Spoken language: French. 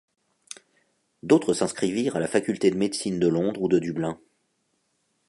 D'autres s'inscrivirent à la faculté de médecine de Londres ou de Dublin.